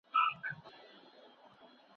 تاسو باید د قران په لارښوونو عمل وکړئ.